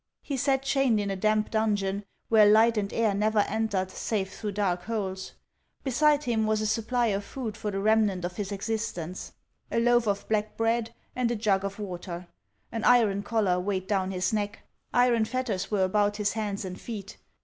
He sat chained in a damp dungeon, where light and air never entered save through dark holes ; beside him was a supply of food for the remnant of his existence, — a loaf of black bread and a jug of water ; an iron collar weighed down his neck; iron fetters were about his hands and feet.